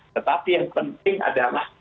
tetapi yang penting adalah